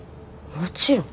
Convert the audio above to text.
もちろん。